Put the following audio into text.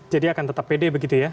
jadi akan tetap pede begitu ya